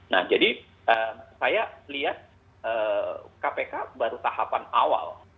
nah jadi saya lihat kpk baru tahapan awal